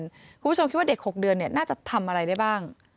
คุณผู้ชมคิดว่าเด็ก๖เดือนน่าจะทำอะไรได้บ้าง